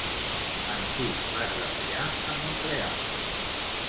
Amb qui va treballar a Mont-real?